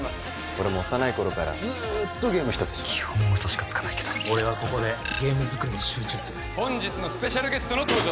俺も幼い頃からずーっとゲーム一筋基本嘘しかつかないけど俺はここでゲーム作りに集中する本日のスペシャルゲストの登場です